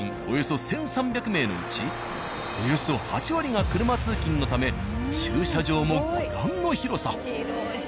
およそ１３００名のうちおよそ８割が車通勤のため駐車場もご覧の広さ。